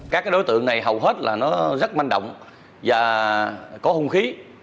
các đối tượng này hầu hết là nó rất manh động và có hung khí